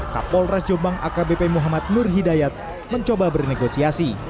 kapolres jombang akbp muhammad nur hidayat mencoba bernegosiasi